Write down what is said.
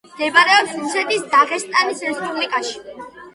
მდებარეობს რუსეთის დაღესტნის რესპუბლიკაში.